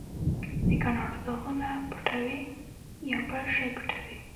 د ګناټو داغونه پټوې، یا بل شی پټوې؟